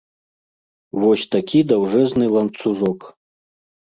Вось такі даўжэзны ланцужок.